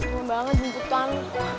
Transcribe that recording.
cuma banget jemputan